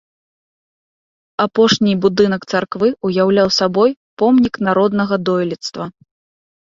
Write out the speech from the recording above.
Апошні будынак царквы ўяўляў сабой помнік народнага дойлідства.